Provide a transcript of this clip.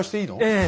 ええ。